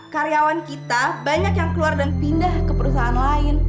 karyawan kita banyak yang keluar dan pindah ke perusahaan lain